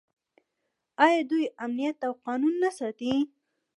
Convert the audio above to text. آیا دوی امنیت او قانون نه ساتي؟